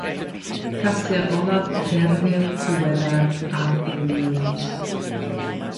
Casgliad olaf o gerddi'r diweddar R. Bryn Williams.